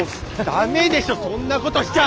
ダメでしょそんなことしちゃ！